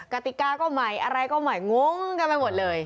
กติกาก็ใหม่อะไรก็ใหม่งงกันไปหมดเลย